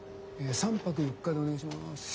え３泊４日でお願いします。